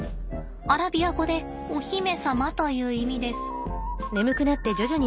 アラビア語でお姫様という意味です。